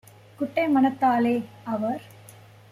குட்டை மனத்தாலே - அவர்